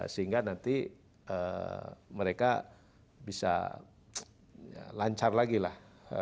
sehingga nanti mereka bisa lancar lagi lah